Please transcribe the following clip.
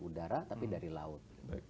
udara tapi dari laut